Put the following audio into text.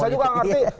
saya juga ngerti